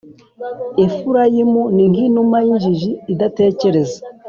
Efurayimu ni nk’inuma y’injiji idatekereza,